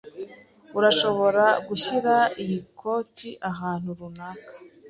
Urashobora gushyira iyi koti ahantu runaka?